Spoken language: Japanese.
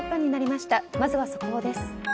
まずは速報です。